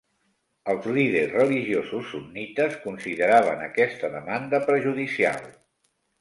Els líders religiosos sunnites consideraven aquesta demanda perjudicial.